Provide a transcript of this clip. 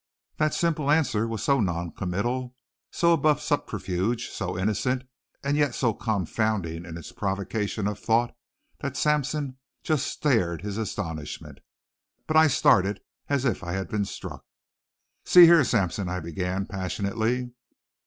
That simple answer was so noncommittal, so above subterfuge, so innocent, and yet so confounding in its provocation of thought that Sampson just stared his astonishment. But I started as if I had been struck. "See here Sampson " I began, passionately.